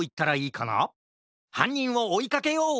はんにんをおいかけよう！